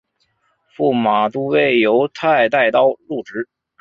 驸马都尉游泰带刀入直。